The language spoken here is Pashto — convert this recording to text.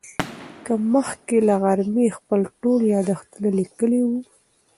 ما مخکې له غرمې خپل ټول یادښتونه لیکلي وو.